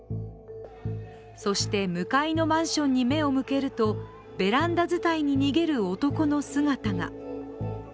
そして向かいのマンションに目を向かうとベランダづたいに逃げる男の姿が。